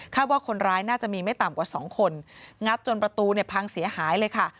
ว่าคนร้ายน่าจะมีไม่ต่ำกว่าสองคนงัดจนประตูเนี่ยพังเสียหายเลยค่ะ